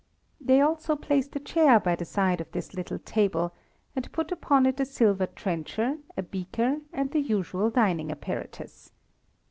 They also placed a chair by the side of this little table, and put upon it a silver trencher, a beaker, and the usual dining apparatus.